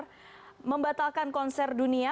mereka membatalkan konser dunia